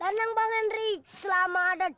tenang bang hendrik selama ada